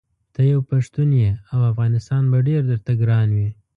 ته یو پښتون یې او افغانستان به ډېر درته ګران وي.